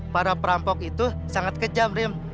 para perampok itu sangat kejam rim